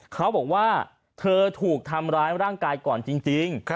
เขาบอกว่าเธอถูกทำร้ายร่างกายก่อนจริง